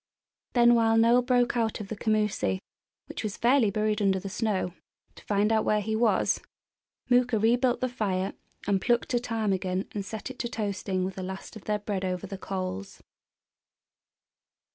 Then while Noel broke out of the commoosie, which was fairly buried under the snow, to find out where he was, Mooka rebuilt the fire and plucked a ptarmigan and set it to toasting with the last of their bread over the coals.